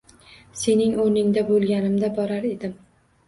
Sening o'rningda bo'lganimda, borar edim.